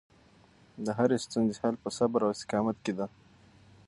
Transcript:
د هرې ستونزې حل په صبر او استقامت کې دی.